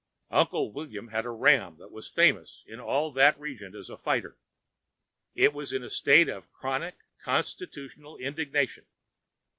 "Uncle William had a ram that was famous in all that region as a fighter. It was in a state of chronic constitutional indignation.